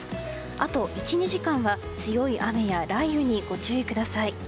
あと１２時間は強い雨や雷雨にご注意ください。